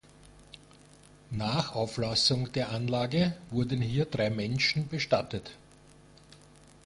Nach Auflassung der Anlage wurden hier drei Menschen bestattet.